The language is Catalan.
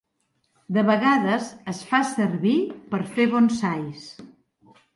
De vegades es fa servir per fer bonsais.